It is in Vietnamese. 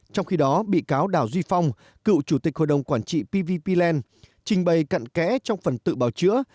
trong khi đó bị cáo đào duy phong cựu chủ tịch hội đồng quản trị pvp pland trình bày cận kẽ trong phần tự bào chữa